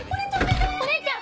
お姉ちゃん！